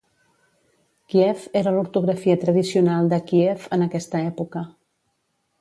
Kief era l'ortografia tradicional de Kíev en aquesta època.